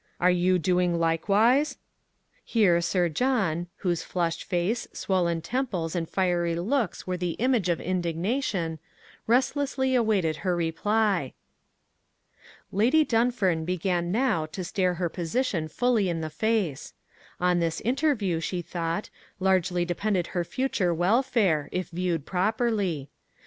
Are you doing likewise?" Here Sir John, whose flushed face, swollen temples, and fiery looks were the image of indignation, restlessly awaited her reply. Lady Dunfern began now to stare her position fully in the face. On this interview, she thought, largely depended her future welfare, if viewed properly.